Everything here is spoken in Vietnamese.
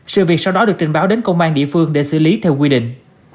sự việc sau đó được trình báo đến công an địa phương để xử lý theo quy định